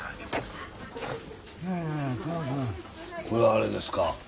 これあれですか？